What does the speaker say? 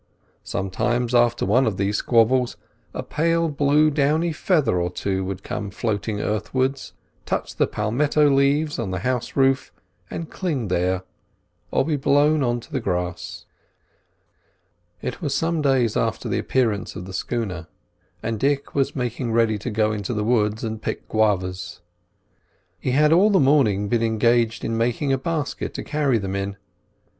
Sometimes after one of these squabbles a pale blue downy feather or two would come floating earthwards, touch the palmetto leaves of the house roof and cling there, or be blown on to the grass. It was some days after the appearance of the schooner, and Dick was making ready to go into the woods and pick guavas. He had all the morning been engaged in making a basket to carry them in.